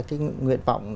cái nguyện vọng